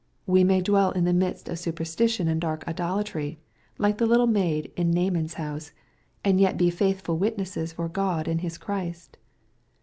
We may dwell in the midst of su perstition and dark idolatry, like the little maid in Naa man's house, and yet be faithful witnesses for God and His Christ.